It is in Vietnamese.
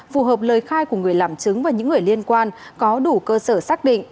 phù hợp lời khai của người làm chứng và những người liên quan có đủ cơ sở xác định